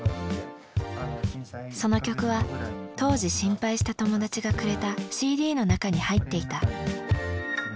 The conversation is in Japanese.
その曲は当時心配した友達がくれたＣＤの中に入っていた。